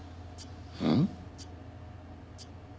うん？